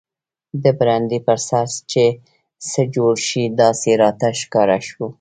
د برنډې پر سر چې څه جوړ شي داسې راته ښکاره شو.